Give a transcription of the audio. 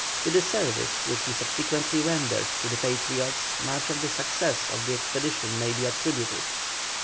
To the service which he subsequently rendered to the Patriots much of the success of the expedition may be attributed.